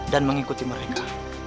dan mengikuti mereka